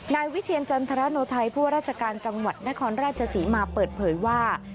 นายวิเชียรจันทรโนไทยผู้ว่าราชการจังหวัดนครราชศรีมาเปิดเผยว่า